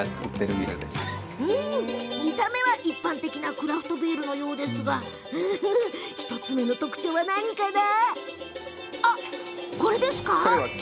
見た目は一般的なクラフトビールのようですが１つ目の特徴は何かな？